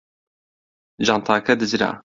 جانتاکە دزرا.